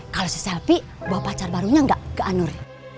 kalo seselfie bawa pacar barunya gak ke anur